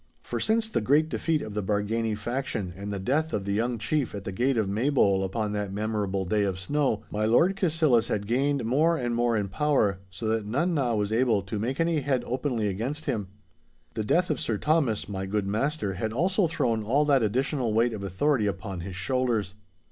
For since the great defeat of the Bargany faction, and the death of the young chief at the gate of Maybole upon that memorable day of snow, my Lord Cassillis had gained more and more in power, so that none now was able to make any head openly against him. The death of Sir Thomas, my good master, had also thrown all that additional weight of authority upon his shoulders.